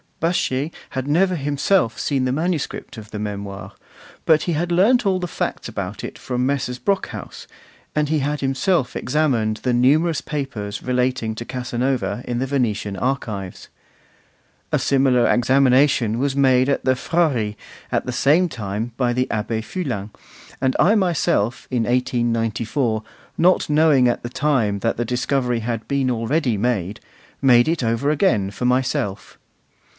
Baschet had never himself seen the manuscript of the Memoirs, but he had learnt all the facts about it from Messrs. Brockhaus, and he had himself examined the numerous papers relating to Casanova in the Venetian archives. A similar examination was made at the Frari at about the same time by the Abbé Fulin; and I myself, in 1894, not knowing at the time that the discovery had been already made, made it over again for myself.